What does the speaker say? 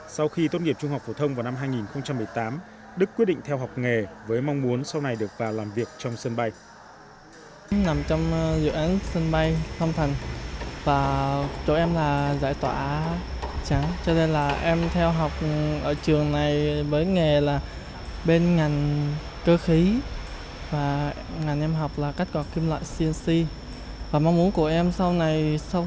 sau khi tốt nghiệp trung học phổ thông vào năm hai nghìn một mươi tám đức quyết định theo học nghề với mong muốn sau này được vào làm việc trong sân bay